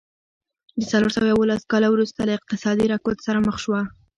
له څلور سوه یوولس کاله وروسته له اقتصادي رکود سره مخ شوه.